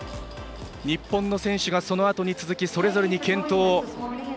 日本の選手が、そのあとに続きそれぞれに健闘。